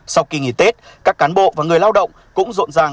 sau kỳ nghỉ tết các cán bộ và người lao động cũng rộn ràng